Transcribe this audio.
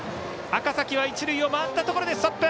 赤嵜は一塁を回ったところでストップ。